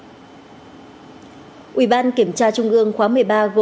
đồng chí đỗ văn chiến bộ trưởng chủ nhiệm ủy ban dân tộc